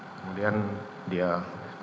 kemudian dia keluar